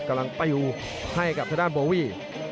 กำลังไปอยู่ให้กับทะดานโบวี่